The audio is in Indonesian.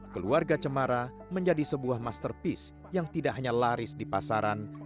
keluarga cemara menjadi sebuah masterpiece yang tidak hanya laris di pasaran